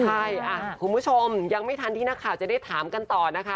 ใช่คุณผู้ชมยังไม่ทันที่นักข่าวจะได้ถามกันต่อนะคะ